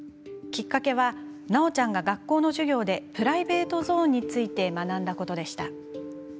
きっかけはなおちゃんが学校の授業でプライベートゾーンについて学んだことでした。